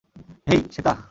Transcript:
হেই, Shweta.